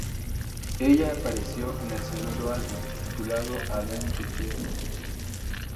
Ella apareció en el segundo álbum, titulado A Dame to Kill For.